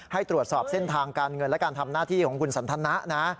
ให้ตรวจสอบเส้นทางการเงินและการทำหน้าที่ของคุณสันทนะ